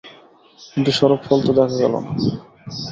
কিন্তু সেরূপ ফল তো দেখা গেল না।